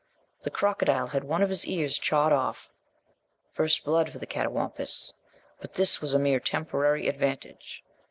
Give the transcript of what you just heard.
The crocodile had one of his ears chawed off (first blood for the catawampuss), but this was a mere temporary advantage.